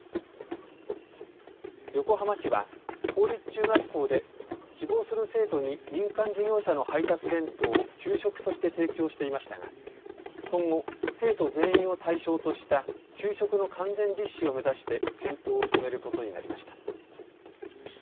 横浜市は公立中学校で希望する生徒に民間事業者の配達弁当を給食として提供していましたが今後、生徒全員を対象とした給食の完全実施を目指して検討を進めることになりました。